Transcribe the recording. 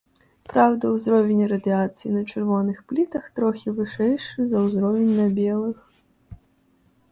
Праўда, узровень радыяцыі на чырвоных плітах трохі вышэйшы за ўзровень на белых.